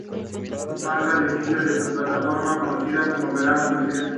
Marca el inicio de su plataforma conocida como "Verano Presidente".